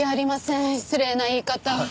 失礼な言い方。